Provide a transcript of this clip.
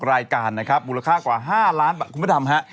รายการนะครับมูลค่ากว่า๕ล้านบาทคุณพระดำฮะ